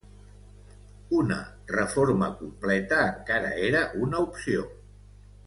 Una reforma completa encara era una opció.